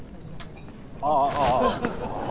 ああああ。